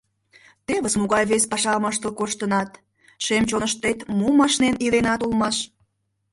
— Тевыс могай вес пашам ыштыл коштынат, шем чоныштет мом ашнен иленат улмаш...